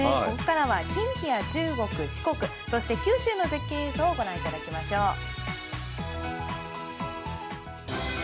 ここからは近畿や中国、四国そして九州の絶景映像を御覧いただきましょう。